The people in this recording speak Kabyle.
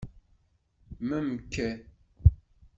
Mamk?